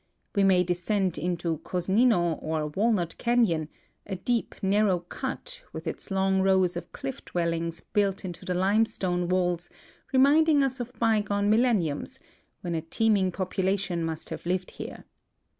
We may descend into Cosnino or Walnut canon, a deep, narrow cut, with its long rows of cliif dwellings built into the limestone walls reminding us of bygone millenniums, when a teeming population must have lived here.